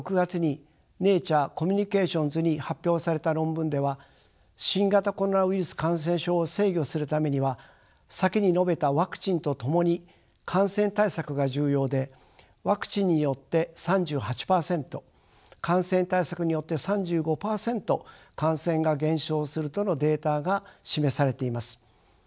本年６月にＮａｔｕｒｅＣｏｍｍｕｎｉｃａｔｉｏｎｓに発表された論文では新型コロナウイルス感染症を制御するためには先に述べたワクチンと共に感染対策が重要でワクチンによって３８％感染対策によって３５％感染が減少するとのデータが示されています。